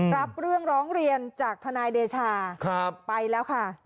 รับเรื่องร้องเรียนจากธนาคมเดชาข้าว